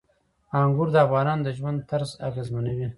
انګور د افغانانو د ژوند طرز اغېزمنوي.